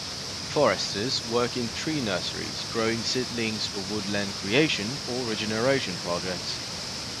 Foresters work in tree nurseries growing seedlings for woodland creation or regeneration projects.